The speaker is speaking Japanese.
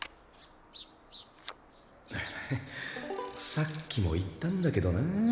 さっきも言ったんだけどな。